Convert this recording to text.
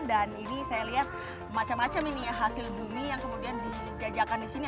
dan ini saya lihat macam macam ini ya hasil bumi yang kemudian dijajakan di sini